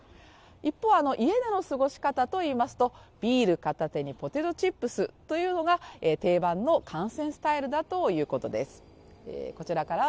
一方、家での過ごし方といいますとビール片手にポテトチップスというのが定番の観戦スタイルだということです。